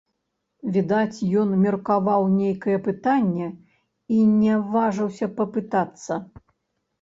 Відаць, ён меркаваў нейкае пытанне і не важыўся папытацца.